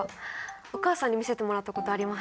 お母さんに見せてもらったことあります。